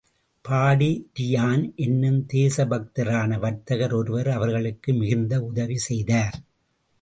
பாடி Ryan என்னும் தேசபக்தரான வர்த்தகர் ஒருவர் அவர்களுக்கு மிகுந்த உதவி செய்தார்.